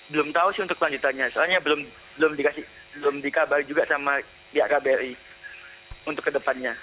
belum tahu sih untuk kelanjutannya soalnya belum dikabar juga sama pihak kbri untuk kedepannya